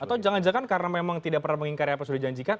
atau jangan jangan karena memang tidak pernah mengingkari apa sudah dijanjikan